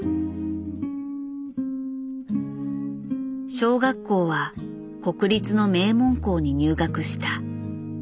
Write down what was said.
小学校は国立の名門校に入学した。